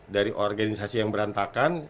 dari organisasi yang berantakan